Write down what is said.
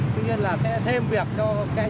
tuy nhiên là sẽ thêm việc cho